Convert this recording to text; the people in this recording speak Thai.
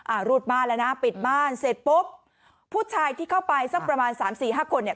รูดบ้านแล้วนะปิดบ้านเสร็จปุ๊บผู้ชายที่เข้าไปสักประมาณสามสี่ห้าคนเนี่ย